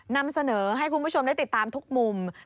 นำเสนอให้คุณผู้ชมได้ติดตามทุกมุม